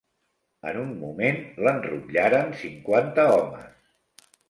En un moment l'enrotllaren cinquanta homes.